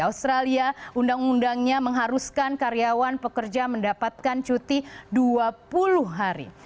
australia undang undangnya mengharuskan karyawan pekerja mendapatkan cuti dua puluh hari